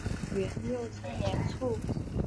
元佑三年卒。